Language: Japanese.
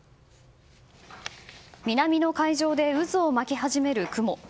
南の海上で渦を巻き始める雲。